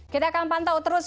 kita akan pantau terus